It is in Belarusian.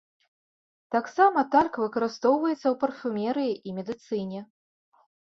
Таксама тальк выкарыстоўваецца ў парфумерыі і медыцыне.